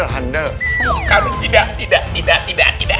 kalau tidak tidak tidak tidak tak